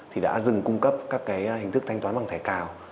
thì đã dừng cung cấp các hình thức thanh toán bằng thẻ cào